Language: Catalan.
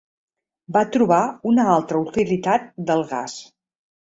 Va trobar una altra utilitat del gas.